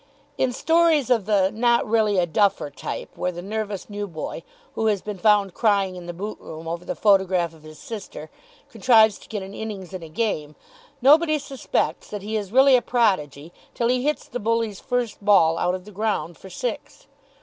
In stories of the "Not Really a Duffer" type, where the nervous new boy, who has been found crying in the boot room over the photograph of his sister, contrives to get an innings in a game, nobody suspects that he is really a prodigy till he hits the Bully's first ball out of the ground for six.